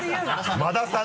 馬田さん。